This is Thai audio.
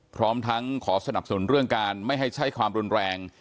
พร้อมทั้งขอสนับสนุนเรื่องการไม่ให้ใช้ความรุนแรง